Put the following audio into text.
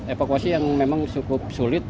evakuasi yang memang cukup sulit